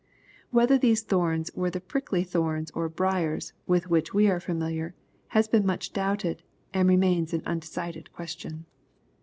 Whether those thorns w<^re the prickly thorns or briars, wiih which we are all fisimiliar, has been much doubted, and remains an undecided question.